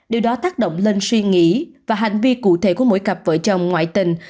điều đó tác động lên suy nghĩ và hành vi cụ thể của mỗi cặp vợ chồng ngoại tình